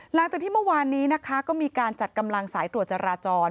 หลังจากที่เมื่อวานนี้นะคะก็มีการจัดกำลังสายตรวจจราจร